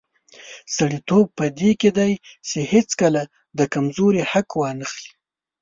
سړیتوب په دې کې دی چې هیڅکله د کمزوري حق وانخلي.